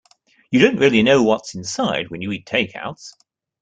You don't really know what's inside when you eat takeouts.